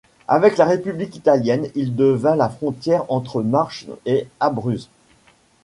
Avec la République italienne, il devint la frontière entre Marches et Abruzzes.